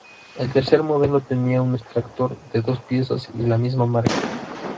El tercer modelo tenía un extractor de dos piezas y la misma marca.